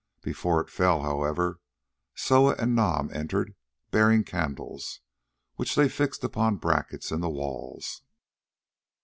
Before it fell, however, Soa and Nam entered, bearing candles, which they fixed upon brackets in the walls.